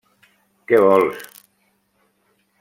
Que vols?